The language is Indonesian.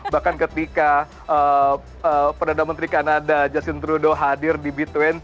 bahkan ketika perdana menteri kanada justin trudeau hadir di b dua puluh